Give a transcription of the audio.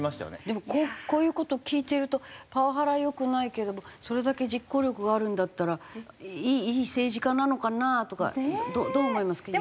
でもこういう事を聞いてるとパワハラはよくないけどもそれだけ実行力があるんだったらいい政治家なのかなとか。どう思いますか？